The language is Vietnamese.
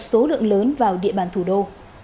số lượng lớn vào địa bàn thủ đô